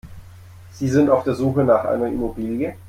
Sind Sie auf der Suche nach einer Immobilie?